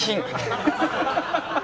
ハハハハ！